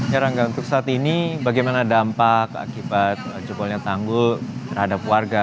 ya rangga untuk saat ini bagaimana dampak akibat jebolnya tanggul terhadap warga